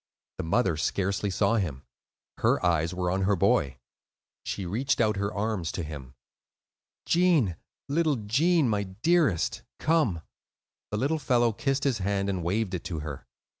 The mother scarcely saw him; her eyes were on her boy. She reached out her arms to him. "Gene, little Gene, my dearest, come." The little fellow kissed his hand and waved it to her.